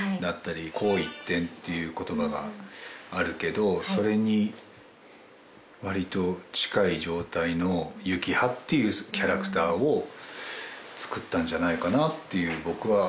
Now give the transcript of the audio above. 「紅一点っていう言葉があるけどそれにわりと近い状態の幸葉っていうキャラクターを作ったんじゃないかなっていう僕は勝手な理解」